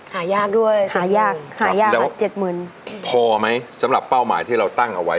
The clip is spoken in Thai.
หายากด้วย๗๐๐๐๐บาทณแต่ว่าพอไหมสำหรับเป้าหมายที่เราตั้งเอาไว้